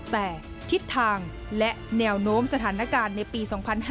แต่ทิศทางและแนวโน้มสถานการณ์ในปี๒๕๕๙